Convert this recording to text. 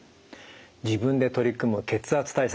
自分で取り組む血圧対策